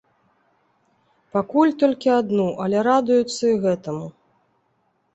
Пакуль толькі адну, але радуюцца і гэтаму.